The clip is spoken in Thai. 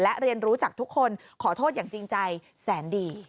และเรียนรู้จากทุกคนขอโทษอย่างจริงใจแสนดี